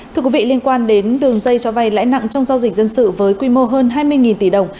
thưa quý vị liên quan đến đường dây cho vay lãi nặng trong giao dịch dân sự với quy mô hơn hai mươi tỷ đồng